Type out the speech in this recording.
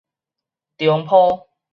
中陂